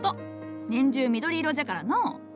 年中緑色じゃからのう。